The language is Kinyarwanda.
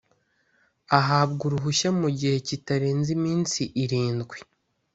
ahabwa uruhushya mugihe kitarenze iminsi irindwi